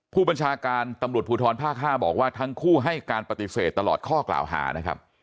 ผู้บัญชาการตำรวจภูทรภาค๕บอกว่าทั้งคู่ให้การปฏิเสธตลอดข้อกล่าวหานะครับ